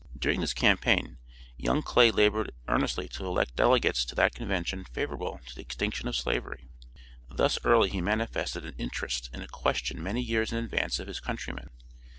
During this campaign young Clay labored earnestly to elect delegates to that convention favorable to the extinction of slavery. Thus early he manifested an interest in a question many years in advance of his countrymen.